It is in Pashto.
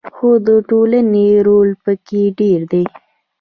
خو د ټولنې رول پکې ډیر دی.